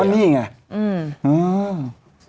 ตอนนี้ไง